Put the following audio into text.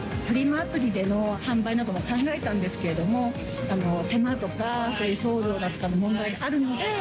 アプリでの販売なども考えたんですけれども、手間とか、そういう送料だったりとか、問題あるので。